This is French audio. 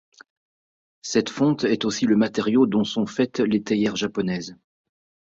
Cette fonte est aussi le matériau dont sont faites les théières japonaises.